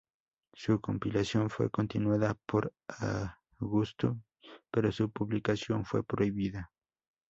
Su compilación fue continuada por Augusto, pero su publicación fue prohibida.